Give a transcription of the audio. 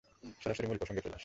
সরাসরি মূল প্রসঙ্গে চলে আসি।